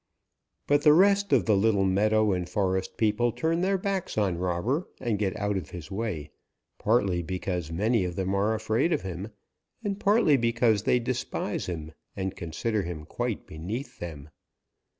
But the rest of the little meadow and forest people turn their backs on Robber and get out of his way, partly because many of them are afraid of him, and partly because they despise him and consider him quite beneath them.